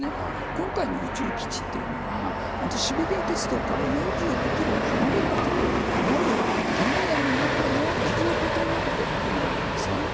今回の宇宙基地というのはシベリア鉄道からだと４５キロ離れた原野の中の陸の孤島の中で行われます。